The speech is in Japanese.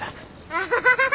アハハハハ！